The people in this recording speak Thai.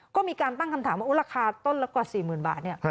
ก็มีการตั้งคำถามว่าราคาต้นละกว่า๔๐๐๐บาท